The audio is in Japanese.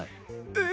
え！